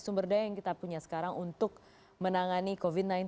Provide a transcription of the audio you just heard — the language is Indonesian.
sumber daya yang kita punya sekarang untuk menangani covid sembilan belas